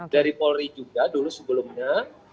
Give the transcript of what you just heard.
dari polri juga dulu sebelumnya